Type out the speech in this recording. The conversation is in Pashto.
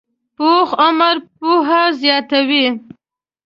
پوخ عمر پوهه زیاته وي